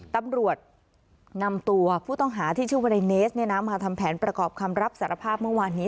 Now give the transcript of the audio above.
ตำรวจนำตัวผู้ต้องหาที่ชื่อว่าในเนสมาทำแผนประกอบคำรับสารภาพเมื่อวานนี้